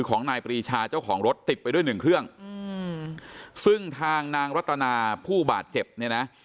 ของนายปรีชาเจ้าของรถติดไปด้วยหนึ่งเครื่องอืมซึ่งทางนางรัตนาผู้บาดเจ็บเนี่ยนะ